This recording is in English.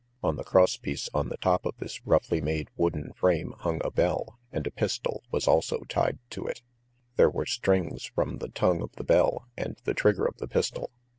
On the crosspiece on the top of this roughly made wooden frame hung a bell, and a pistol was also tied to it; there were strings from the tongue of the bell, and the trigger of the pistol.